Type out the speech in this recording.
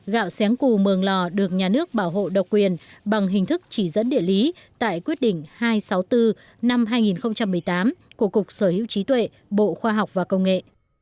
gạo sáng cù mường lò được nhà nước bảo hộ độc quyền bằng hình thức chỉ dẫn địa lý tại quyết định hai trăm sáu mươi bốn năm hai nghìn một mươi tám của cục sở hữu trí tuệ bộ khoa học và công nghệ